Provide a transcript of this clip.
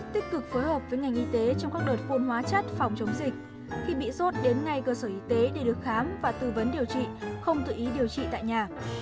tích cực phối hợp với ngành y tế trong các đợt phun hóa chất phòng chống dịch khi bị sốt đến ngay cơ sở y tế để được khám và tư vấn điều trị không tự ý điều trị tại nhà